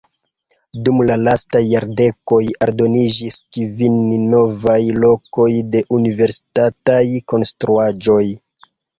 Dum la lastaj jardekoj aldoniĝis kvin novaj lokoj de universitataj konstruaĵoj.